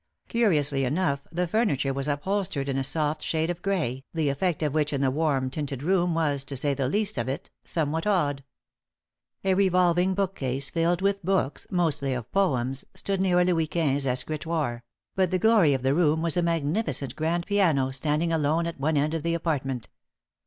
Curiously enough, the furniture was upholstered in a soft shade of grey, the effect of which in the warm tinted room was, to say the least, of it, somewhat odd. A revolving bookcase, filled with books mostly of poems stood near a Louis Quinze escritoire; but the glory of the room was a magnificent grand piano standing alone at one end of the apartment.